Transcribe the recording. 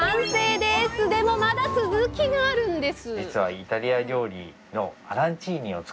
でもまだ続きがあるんです！